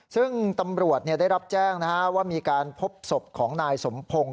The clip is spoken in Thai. ซึ่งตำรวจได้รับแจ้งว่ามีการพบศพของนายสมพงศ์